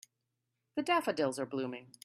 The daffodils are blooming.